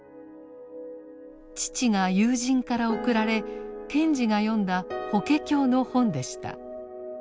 父が友人から贈られ賢治が読んだ法華経の本でした。